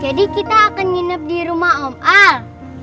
jadi kita akan nginep di rumah om al